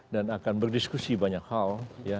dan akan berdiskusi banyak hal